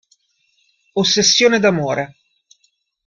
Ossessione d'amore